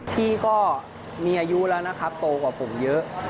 พี่ก็มีอายุแล้วนะครับโตกว่าผมเยอะ